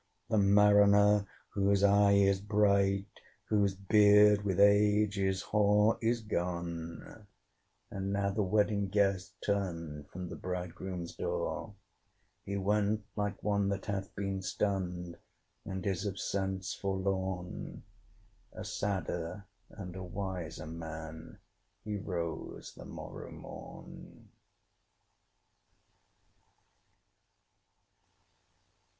The Mariner, whose eye is bright, Whose beard with age is hoar, Is gone: and now the Wedding Guest Turned from the bridegroom's door. He went like one that hath been stunned, And is of sense forlorn: A sadder and a wiser man, He rose the morrow morn.